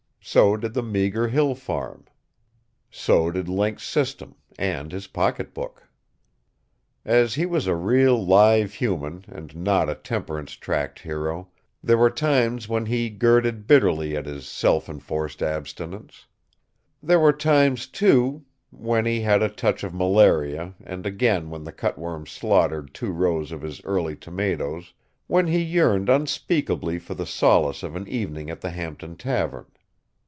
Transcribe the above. So did the meager hill farm. So did Link's system and his pocketbook. As he was a real, live human and not a temperance tract hero, there were times when he girded bitterly at his self enforced abstinence. Where were times, too when he had a touch of malaria and again when the cutworms slaughtered two rows of his early tomatoes when he yearned unspeakably for the solace of an evening at the Hampton tavern.